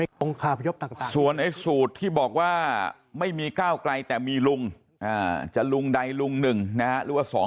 อาจารย์น้ำสูตรที่บอกว่าไม่มีก้าวกลัยแต่มีรุงจะรุงใดรุงหนึ่งหรือว่า